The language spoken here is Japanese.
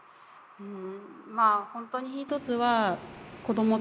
うん。